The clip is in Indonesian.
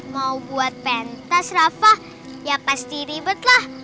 mau buat pentas rafah ya pasti ribet lah